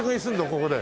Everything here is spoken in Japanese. ここで。